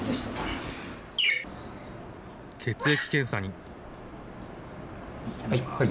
血液検査に。